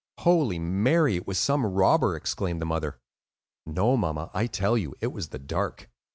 "Holy Mary! it was some robber," exclaimed the mother. "No, mamma, I tell you, it was the Dark.